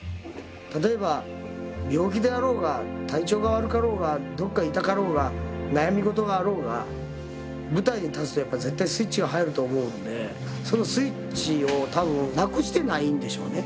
例えば病気であろうが体調が悪かろうがどっか痛かろうが悩み事があろうが舞台に立つとやっぱ絶対スイッチが入ると思うんでそのスイッチを多分なくしてないんでしょうね。